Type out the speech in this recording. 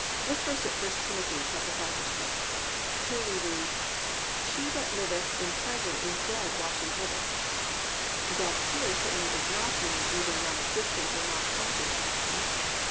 Look first at 1 Tim. 5:6; here we read, "She that liveth in pleasure is dead while she liveth." Death here certainly does not mean either non existence, or non conscious existence.